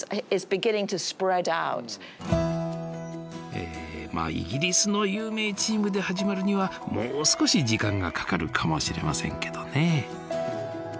えまあイギリスの有名チームで始まるにはもう少し時間がかかるかもしれませんけどね。